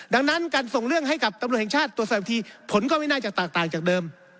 ดังนั้นการส่งเรื่องให้กับตำรวจแห่งชาติตรวจสอบอีกทีผลก็ไม่น่าจะแตกต่างจากเดิม